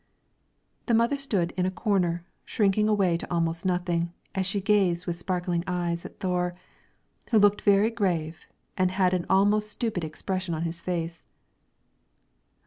The mother stood in a corner, shrinking away into almost nothing, as she gazed with sparkling eyes at Thore, who looked very grave, and had an almost stupid expression on his face.